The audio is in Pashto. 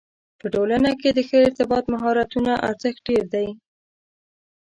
په ټولنه کې د ښه ارتباط مهارتونو ارزښت ډېر دی.